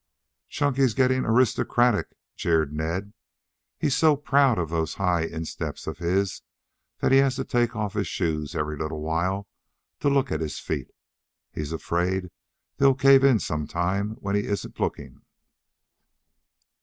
"Chunky's getting aristocratic," jeered Ned. "He's so proud of those high insteps of his that he has to take off his shoes every little while to look at his feet. He's afraid they'll cave in some time when he isn't looking."